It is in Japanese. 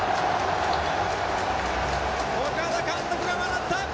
岡田監督が笑った！